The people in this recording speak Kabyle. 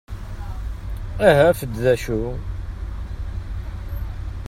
Aha af-d d acu!